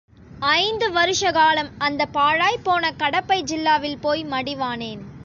ஐந்து வருஷ காலம் அந்தப் பாழாய்ப் போன கடப்பை ஜில்லாவில் போய் மடிவானேன்?